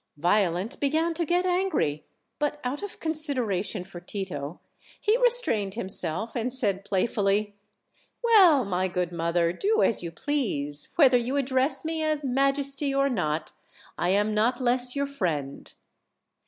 Violent began to get angry, but out of consideration for Tito he restrained himself, and said playfully: "Well, my good mother, do as you please; whether you address me as 'majesty' or not, I am not less your friend."